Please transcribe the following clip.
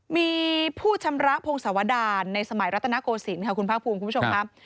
มีผู้ชำระพงศวดารในสมัยรัตนโกศิลปค่ะคุณภาคภูมิคุณผู้ชมครับ